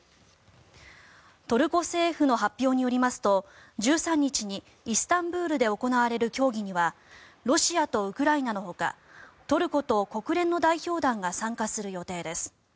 トルコ政府の発表によりますと１３日にイスタンブールで行われる協議にはロシアとウクライナのほかトルコと国連の代表団が参加する予定です。